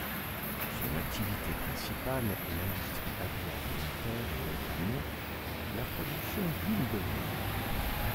Son activité principale est l'industrie agroalimentaire, et notamment la production d'huile d'olive.